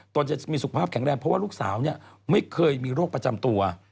จะมีสุขภาพแข็งแรงเพราะว่าลูกสาวไม่เคยมีโรคประจำตัว